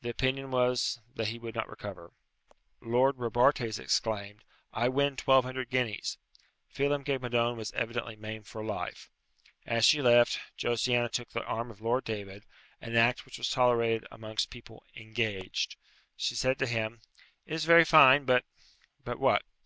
The opinion was that he would not recover. Lord Robartes exclaimed, "I win twelve hundred guineas." Phelem ghe Madone was evidently maimed for life. As she left, Josiana took the arm of Lord David, an act which was tolerated amongst people "engaged." She said to him, "It is very fine, but " "But what?"